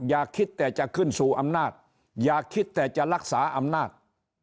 อย่าคิดแต่จะขึ้นสู่อำนาจอย่าคิดแต่จะรักษาอำนาจ